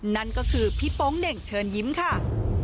นั่นก็คือพี่โป๊งเหน่งเชิญยิ้มค่ะ